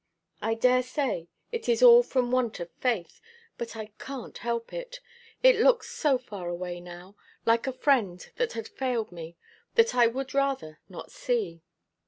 I daresay it is all from want of faith, but I can't help it: it looks so far away now, like a friend that had failed me, that I would rather not see it."